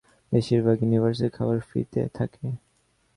বেশিরভাগ ইউনিভার্সেই খাবার ফ্রী-তে থাকে।